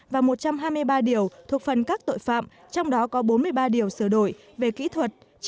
và một trăm hai mươi ba điều thuộc phần các tội phạm trong đó có bốn mươi ba điều sửa đổi về kỹ thuật